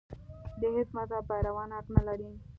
د هېڅ مذهب پیروان حق نه لري.